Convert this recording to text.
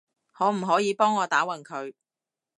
可唔可以幫我打暈佢？